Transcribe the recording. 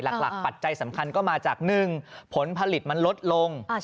ปัจจัยสำคัญก็มาจาก๑ผลผลิตมันลดลง